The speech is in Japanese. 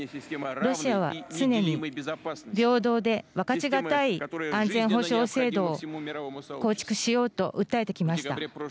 ロシアは常に平等で分かちがたい安全保障制度を構築しようと訴えてきました。